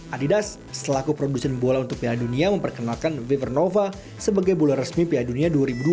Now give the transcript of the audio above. adidas selaku produsen bola untuk piala dunia memperkenalkan vivernova sebagai bola resmi piala dunia dua ribu dua puluh